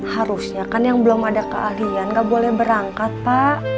harusnya kan yang belum ada keahlian nggak boleh berangkat pak